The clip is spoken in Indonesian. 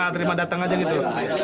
ini terima datang aja gitu